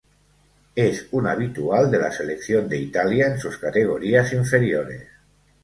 Es un habitual de la selección de Italia en sus categorías inferiores.